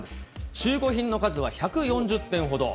中古品の数は１４０点ほど。